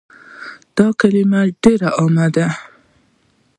دا کلمه ډيره عامه ده